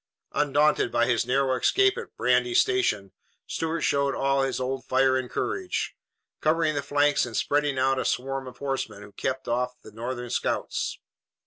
Undaunted by his narrow escape at Brandy Station, Stuart showed all his old fire and courage, covering the flanks and spreading out a swarm of horsemen who kept off the Northern scouts.